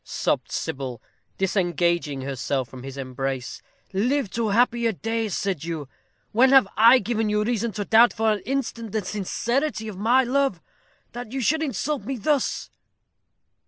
sobbed Sybil, disengaging herself from his embrace. "Live to happier days, said you? When have I given you reason to doubt, for an instant, the sincerity of my love, that you should insult me thus?"